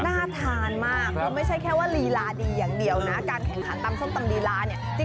น่าทานมากคือไม่ใช่แค่ว่าลีลาดีอย่างเดียวนะการแข่งขันตำส้มตำลีลาเนี่ย